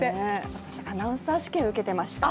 私、アナウンサー試験受けてました。